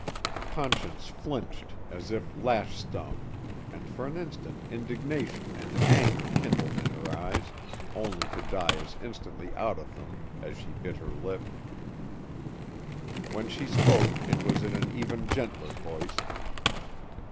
Conscience flinched as if lash stung and for an instant indignation and anger kindled in her eyes only to die as instantly out of them, as she bit her lip. When she spoke it was in an even gentler voice.